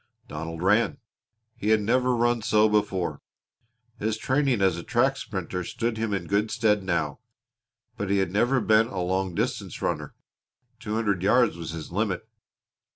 Donald ran. He had never run so before. His training as a track sprinter stood him in good stead now. But he had never been a long distance runner. Two hundred yards was his limit.